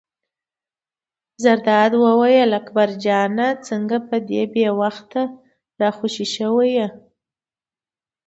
زرداد وویل: اکبر جانه څنګه په دې بې وخته را خوشې شوی یې.